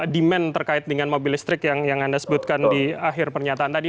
demand terkait dengan mobil listrik yang anda sebutkan di akhir pernyataan tadi